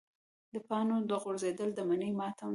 د پاڼو غورځېدل د مني ماتم دی.